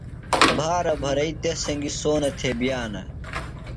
بھارہ بھرئی تس سنگیۡ سونہ تھےۡ بِیانہ۔